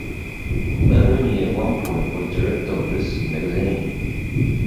Mahony at one point was director of this magazine.